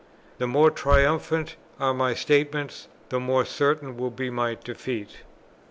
The more triumphant are my statements, the more certain will be my defeat.